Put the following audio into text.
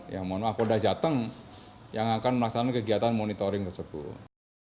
ya mohon maaf polda jateng yang akan melaksanakan kegiatan monitoring tersebut